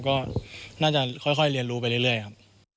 ก็น่าจะค่อยเรียนรู้ไปเรื่อยครับ